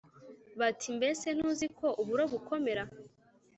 bati: “mbese ntuzi ko uburo bukomera?”